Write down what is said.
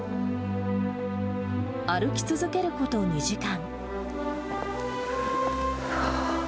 歩き続けること２時間。